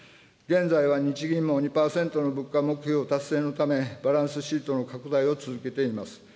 現在は、日銀も２％の物価目標達成のため、バランスシートの拡大を続けています。